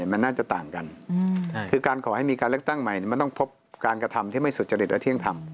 มันน่าจะต่างกันคือการขอให้มีการเลือกตั้งใหม่มันต้องพบการกระทำที่ไม่สุจริตและเที่ยงธรรม